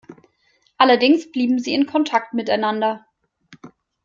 Allerdings blieben sie in Kontakt miteinander.